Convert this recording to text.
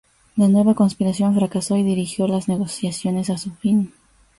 La nueva conspiración fracasó y dirigió las negociaciones a su fin.